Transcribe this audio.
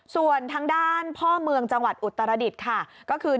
ส่วนทางด้านพ่อเมืองจังหวัดอุตรดิษฐ์ค่ะก็คือ